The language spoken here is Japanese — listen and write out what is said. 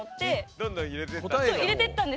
どんどん入れてったんだ。